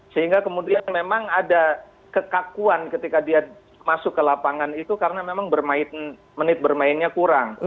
sehingga kemudian memang ada kekakuan ketika dia masuk ke lapangan itu karena memang menit bermainnya kurang